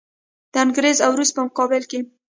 د انګریز او روس په مقابل کې.